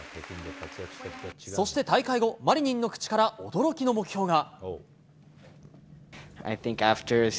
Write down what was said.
そして大会後、マリニンの口から驚きの目標が。